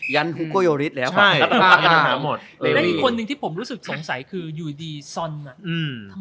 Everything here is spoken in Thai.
ยันทุกโกโยฬิสไหร่ครับ